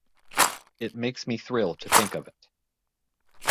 It makes me thrill to think of it.